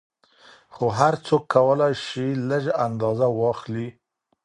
خو هر څوک کولای شي لږ اندازه واخلي.